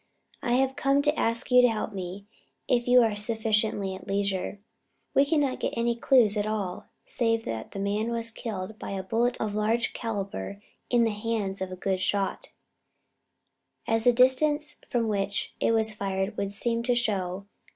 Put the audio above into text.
I have come to ask you to help me, if you are sufficiently at leisure. We cannot get any clues at all, save that the man was killed by a bullet of large calibre in the hands of a good shot, as the distance from which it was fired would seem to show.